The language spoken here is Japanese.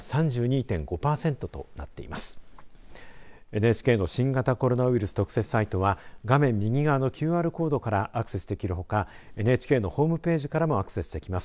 ＮＨＫの新型コロナウイルス特設サイトは画面右側のＱＲコードからアクセスできるほかＮＨＫのホームページからもアクセスできます。